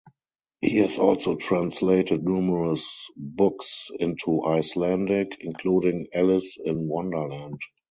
He has also translated numerous books into Icelandic, including Alice in Wonderland.